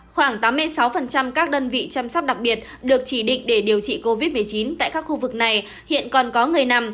khoảng tám mươi sáu các đơn vị chăm sóc đặc biệt được chỉ định để điều trị covid một mươi chín tại các khu vực này hiện còn có người nằm